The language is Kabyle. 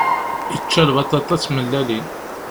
Yečča lbaṭaṭa d tmellalin.